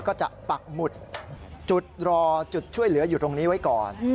ปักหมุดจุดรอจุดช่วยเหลืออยู่ตรงนี้ไว้ก่อน